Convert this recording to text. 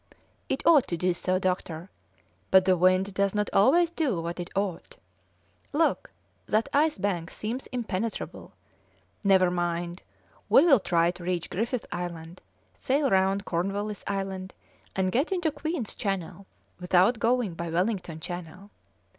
"It ought to do so, doctor, but the wind does not always do what it ought. Look, that ice bank seems impenetrable. Never mind, we will try to reach Griffith Island, sail round Cornwallis Island, and get into Queen's Channel without going by Wellington Channel.